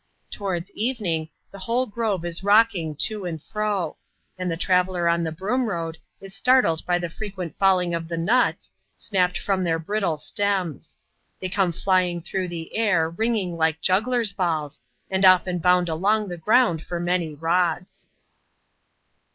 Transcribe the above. Towards evening, the whole grove is rocking^to and fro ; and the traveller on the Broom Bbad is startled by the frequent falling of the nuts, snapped from their brittle stems. They come flyings through the air, ringing like jugglers' balls; and often bound along the ground for many rods.